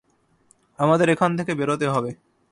আমাদের এখান থেকে বেরোতে হবে।